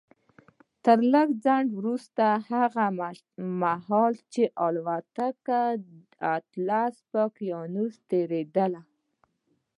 تر لږ ځنډ وروسته هغه مهال چې الوتکه د اطلس پر اقيانوس تېرېدله.